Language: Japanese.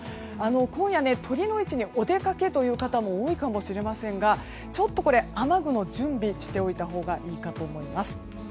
今夜、酉の市にお出かけという方も多いかもしれませんがちょっとこれ雨具も準備しておいたほうがいいかと思います。